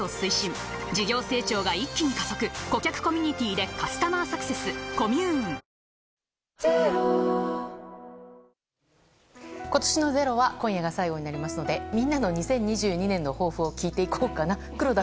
ですから、こうして自分に関心を集めたりとか今年の「ｚｅｒｏ」は今夜が最後になりますのでみんなの２０２２年の抱負を聞いていこうかな。